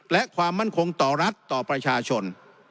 และความมั่นคงต่อรัฐต่อประชาชน